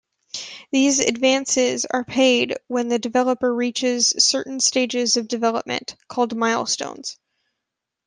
These advances are paid when the developer reaches certain stages of development, called milestones.